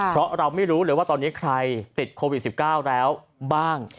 เพราะเราไม่รู้เลยว่าตอนนี้ใครติดโควิด๑๙แล้วบ้าง